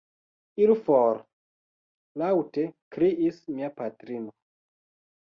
Iru for! laŭte kriis mia patrino.